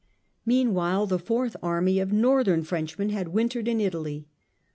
Meanwhile the fourth army, of northern Frenchmen, had wintered in Italy.